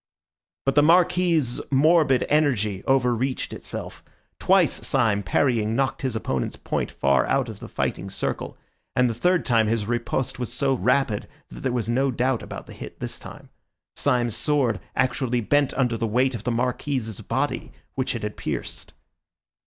But the Marquis's morbid energy over reached itself. Twice Syme, parrying, knocked his opponent's point far out of the fighting circle; and the third time his riposte was so rapid, that there was no doubt about the hit this time. Syme's sword actually bent under the weight of the Marquis's body, which it had pierced.